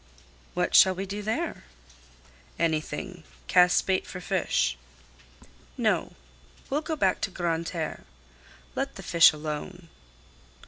"What shall we do there?" "Anything—cast bait for fish." "No; we'll go back to Grande Terre. Let the fish alone."